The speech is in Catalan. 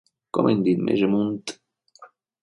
Com hem dit més amunt...